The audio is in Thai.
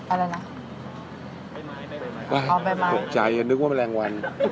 อะไรนะ